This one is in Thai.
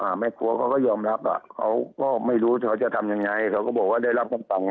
อ่าแม่ครัวก็ก็ยอมรับอ่ะเขาก็ไม่รู้อย่างเงี้ยเขาจะทำยังไงเขาก็บอกได้รับต้อมต่อแล้ว